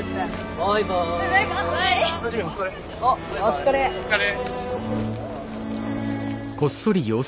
お疲れ。